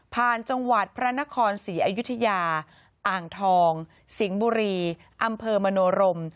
จังหวัดพระนครศรีอยุธยาอ่างทองสิงห์บุรีอำเภอมโนรม